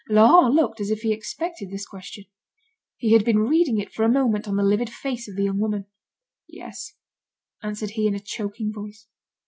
Laurent looked as if he expected this question. He had been reading it for a moment on the livid face of the young woman. "Yes," answered he in a choking voice.